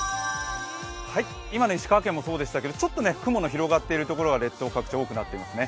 今の石川県もそうでしたが、ちょっと雲が広がっているところが列島各地、増えてますね。